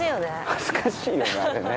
恥ずかしいよねあれね。